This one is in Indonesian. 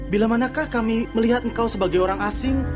bila manakah kami melihat engkau sebagai orang asing